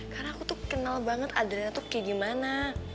karena aku tuh kenal banget adiana tuh kayak gimana